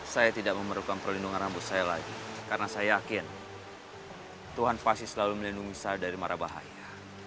saya tidak memerlukan perlindungan rambut saya lagi karena saya yakin tuhan pasti selalu melindungi saya dari marah bahaya